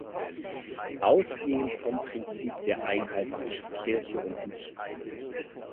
Ausgehend vom Prinzip der Einheit zwischen Kirche und Mission.